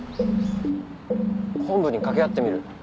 本部に掛け合ってみる。